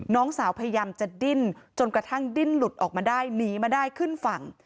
น้องสาวพยายามจะดิ้นจนกระทั่งดิ้นหลุดออกมาได้หนีมาได้ขึ้นฝั่ง